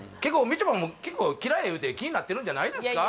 みちょぱも結構嫌い言うて気になってるんじゃないですか？